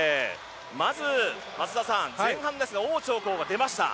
まず前半ですが王長コウが出ました。